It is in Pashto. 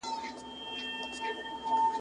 پلمې نه غواړي څېرلو ته د وریانو !.